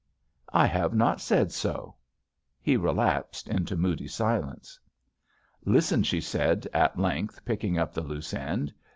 "I have not said so." He relapsed into moody silence. "Listen," she said, at length, picking up the loose end.